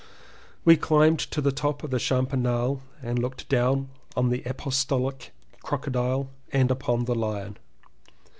We climbed to the top of the Campanile and looked down upon the apostolic croco dile and upon the lion.